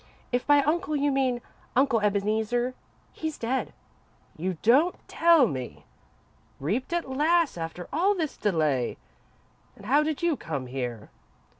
"If by 'uncle' you mean Uncle Ebeneezer, he's dead." "You don't tell me! Reaped at last, after all this delay! Then how did you come here?"